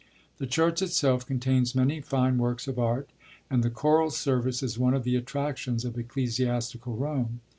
The church itself contains many fine works of art, and the choral service is one of the attractions of ecclesiastical Rome.